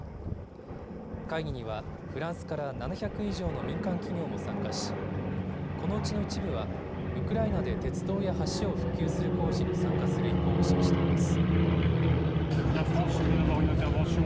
会議にはフランスから７００以上の民間企業も参加しこのうちの一部はウクライナで鉄道や橋を復旧する工事に参加する意向を示しています。